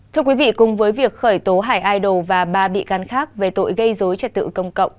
thưa quý vị cùng với việc khởi tố hải idol và ba bị can khác về tội gây dối trật tự công cộng